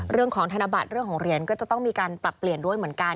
ธนบัตรเรื่องของเหรียญก็จะต้องมีการปรับเปลี่ยนด้วยเหมือนกัน